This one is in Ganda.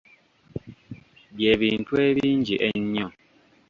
Bye bintu ebingi ennyo.